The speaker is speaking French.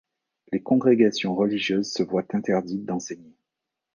Les congrégations religieuses se voient interdites d'enseigner.